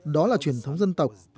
đó là truyền thống dân tộc